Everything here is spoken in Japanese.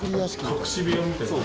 隠し部屋みたいですね。